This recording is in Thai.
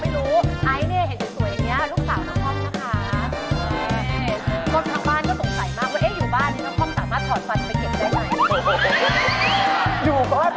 แล้วลูกเหนื่อยอย่างไรครับ